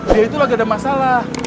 dia itu lagi ada masalah